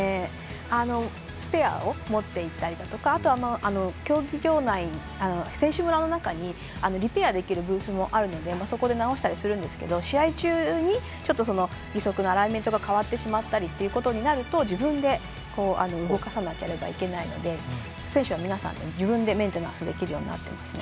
スペア持っていたりだとか選手村の中にリペアできるブースもあるのでそこで直したりするんですけど試合中にちょっと、義足のアライメントが変わってしまったりとかがあると自分で動かさなければいけないので選手は皆さん自分でメンテナンスできるようになってますね。